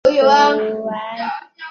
乾隆帝命金简将益晓等人送回本国。